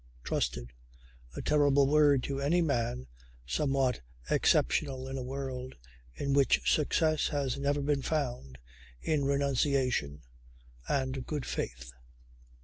Trusted! A terrible word to any man somewhat exceptional in a world in which success has never been found in renunciation and good faith.